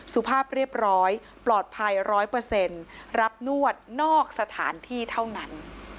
สุภาพเรียบร้อยปลอดภัยร้อยเปอร์เซ็นต์รับนวดนอกสถานที่เท่านั้น